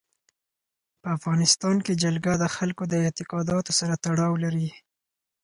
په افغانستان کې جلګه د خلکو د اعتقاداتو سره تړاو لري.